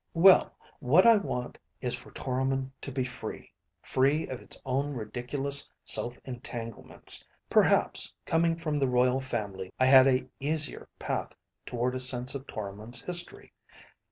"Well, what I want is for Toromon to be free, free of its own ridiculous self entanglements. Perhaps coming from the royal family, I had a easier path toward a sense of Toromon's history.